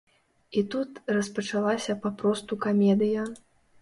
І тут распачалася папросту камедыя.